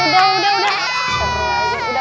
dokter usah disuntik